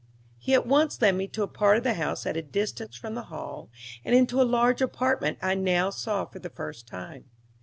He at once led me to a part of the house at a distance from the hall, and into a large apartment I now saw for the first time.